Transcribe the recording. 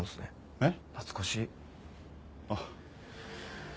えっ？